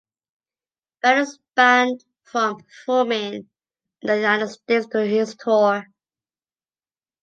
Brown is banned from performing in the United States during his tour.